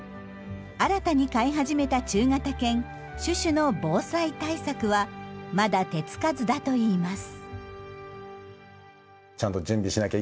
新たに飼い始めた中型犬シュシュの防災対策はまだ手付かずだといいます。